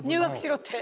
って。